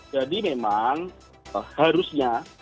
jadi memang harusnya